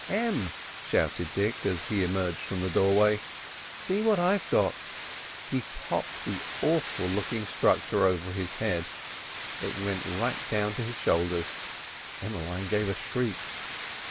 "Em," shouted Dick, as he emerged from the doorway, "see what I've got!" He popped the awful looking structure over his head. It went right down to his shoulders. Emmeline gave a shriek.